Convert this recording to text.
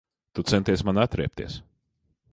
Tu centies man atriebties.